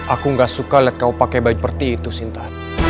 aku gak suka lihat pake baju perti itu sinta